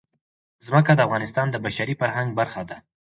ځمکه د افغانستان د بشري فرهنګ برخه ده.